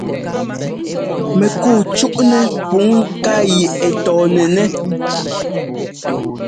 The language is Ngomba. Mɛkuu cúʼnɛ pǔŋ ŋká yi ɛ tɔɔnɛnɛ́.